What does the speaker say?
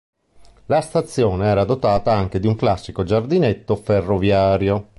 La stazione era dotata anche di un classico giardinetto ferroviario.